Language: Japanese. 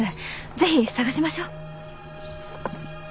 ぜひ捜しましょう。